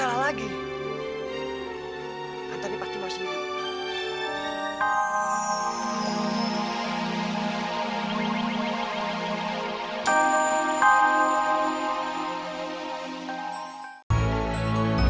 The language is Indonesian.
selamat ulang tahun